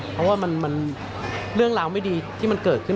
เพราะว่ามันเรื่องราวไม่ดีที่มันเกิดขึ้น